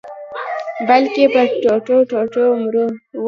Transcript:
بلکي په ټوټو-ټوټو مرو